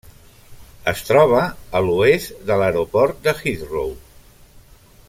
Es troba a l'oest de l'aeroport de Heathrow.